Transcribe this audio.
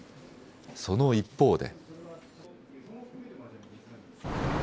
その一方で。